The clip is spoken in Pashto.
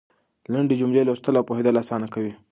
لنډې جملې لوستل او پوهېدل اسانه کوي.